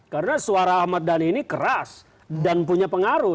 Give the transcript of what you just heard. karena suara ahmad dhani ini keras dan punya pengaruh